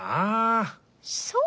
そう？